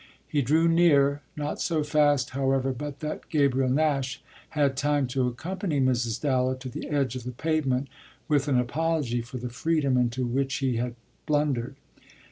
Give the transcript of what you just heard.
He drew near; not so fast, however, but that Gabriel Nash had time to accompany Mrs. Dallow to the edge of the pavement with an apology for the freedom into which he had blundered.